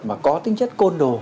mà có tính chất côn đồ